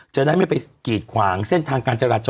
จะได้ไม่ไปกีดขวางเส้นทางการจราจร